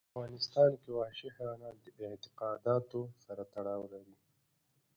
په افغانستان کې وحشي حیوانات د اعتقاداتو سره تړاو لري.